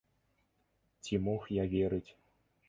Ці мог я верыць?